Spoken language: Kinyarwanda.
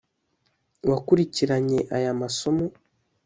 wakurikiranye aya masomo